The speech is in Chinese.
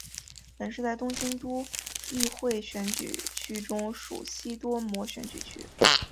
本市在东京都议会选举区中属西多摩选举区。